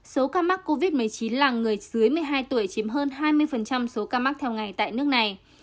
số ca mắc covid một mươi chín là người dưới một mươi hai tuổi chiếm hơn hai mươi số ca mắc theo ngày tại nước này